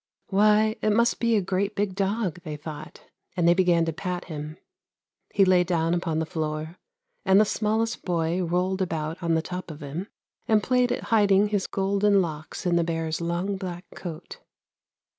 ' Why it must be a great big dog,' they thought, and they began to pat him. He lay down upon the floor, and the smallest boy rolled about on the top of him, and played at hiding his golden locks in the bear's long black coat.